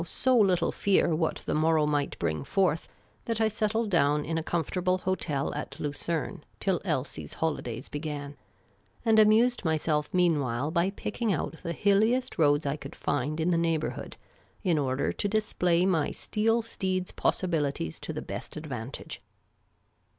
so little fear what the morrow might bring forth that I settled down in a comfortable hotel at Lucerne till I'^lsie's holidays began ; and amused my.self meanwhile by picking out the liilliest roads I could find in the neighbour hood, in order to di.splay my steel steed's possibilities to the best advantage.